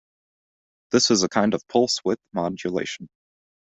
This is a kind of pulse-width modulation.